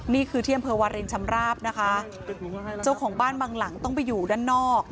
นี่คือที่อำเภอวารินชำราบนะคะเจ้าของบ้านบางหลังต้องไปอยู่ด้านนอก